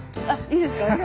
あっいいですか？